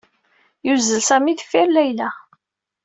Yuzzel Sami deffir Layla.